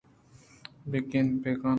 بہ: - کنگ ءِ بہ کن۔